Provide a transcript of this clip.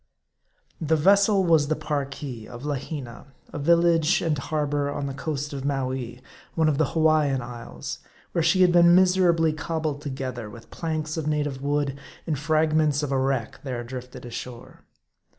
THE vessel was the Parki, of Lahina, a village and har bor on the coast of Mowee, one of the Hawaian isles, where she had been miserably cobbled together with planks of native wood, and fragments of a wreck, there drifted ashore.